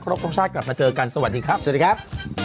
ครบทรงชาติกลับมาเจอกันสวัสดีครับสวัสดีครับ